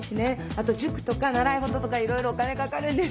あと塾とか習い事とかいろいろお金かかるんですよ。